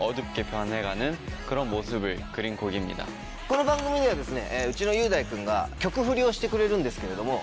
この番組ではですねうちの雄大君が曲フリをしてくれるんですけれども。